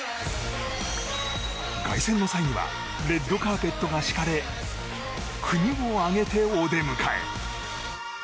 凱旋の際にはレッドカーペットが敷かれ国を挙げてお出迎え。